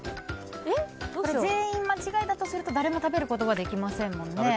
全員間違えたとすると誰も食べることができませんもんね。